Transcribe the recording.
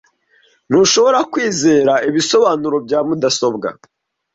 Ntushobora kwizera ibisobanuro bya mudasobwa .